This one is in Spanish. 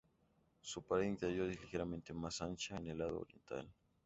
Su pared interior es ligeramente más ancha en el lado oriental.